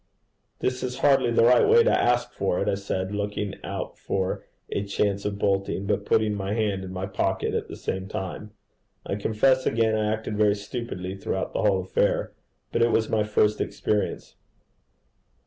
'This is hardly the right way to ask for it,' I said, looking out for a chance of bolting, but putting my hand in my pocket at the same time. I confess again I acted very stupidly throughout the whole affair, but it was my first experience.